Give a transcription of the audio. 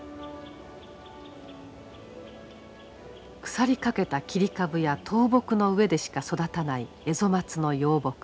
腐りかけた切り株や倒木の上でしか育たないエゾマツの幼木。